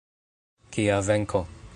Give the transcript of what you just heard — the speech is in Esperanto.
Kia venko!